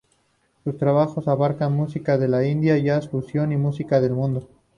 Sus trabajos abarcan música de la India, jazz, fusión y música del mundo.